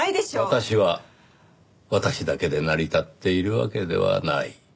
「私は私だけで成り立っているわけではない」。